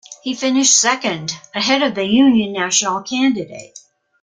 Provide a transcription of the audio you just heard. He finished second, ahead of the Union Nationale candidate.